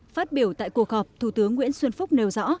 phát biểu tại cuộc họp thủ tướng nguyễn xuân phúc nêu rõ